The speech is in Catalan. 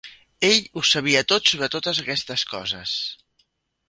Ell ho sabia tot sobre totes aquestes coses.